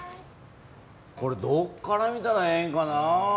これどっから見たらええんかな？